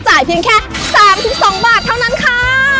เพียงแค่๓๒บาทเท่านั้นค่ะ